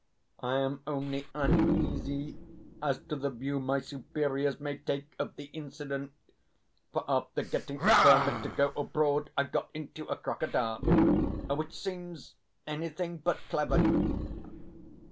I am only uneasy as to the view my superiors may take of the incident; for after getting a permit to go abroad I've got into a crocodile, which seems anything but clever."